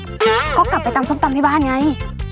ก็กลับไปตำส้มตำที่บ้านไง